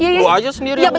lo aja sendiri yang usah